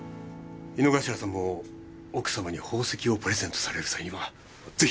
井之頭さんも奥様に宝石をプレゼントされる際にはぜひ。